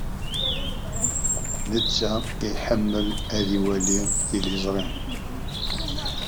Netta iḥemmel ad iwali tiliẓri.